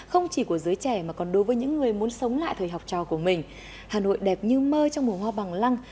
hà nội đẹp như mơ trong mùa hoa bằng lăng